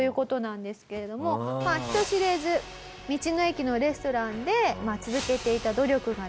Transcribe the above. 人知れず道の駅のレストランで続けていた努力がですね